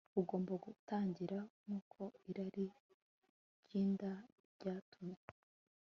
ugomba gutangirira Nkuko irari ryinda ryatumye